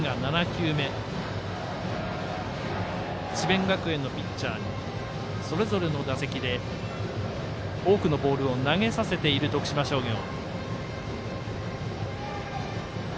智弁学園のピッチャーそれぞれの打席で多くのボールを投げさせている徳島商業。